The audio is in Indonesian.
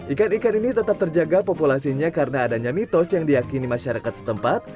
ikan ikan ini tetap terjaga populasinya karena adanya mitos yang diakini masyarakat setempat